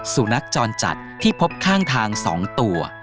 สุนัขจรจัดที่พบข้างทาง๒ตัว